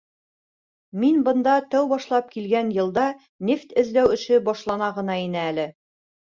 — Мин бында тәү башлап килгән йылда нефть эҙләү эше башлана ғына ине әле.